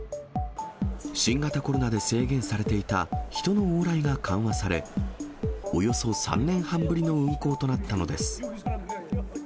新型コロナで制限されていた人の往来が緩和され、およそ３年半ぶりの運航となったのです。